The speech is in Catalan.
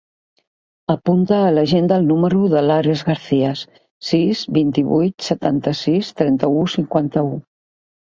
Apunta a l'agenda el número de l'Ares Garcias: sis, vint-i-vuit, setanta-sis, trenta-u, cinquanta-u.